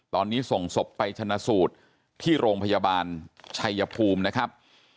ตอนนี้ส่งศพไปชนะสูตรที่โรงพยาบาลชัยภูมินะครับ